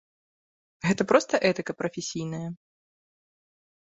Гэта проста этыка прафесійная.